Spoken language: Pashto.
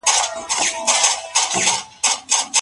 موږ باید د هر بل انسان درد په خپل زړه کې حس کړو.